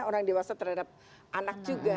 orang dewasa terhadap anak juga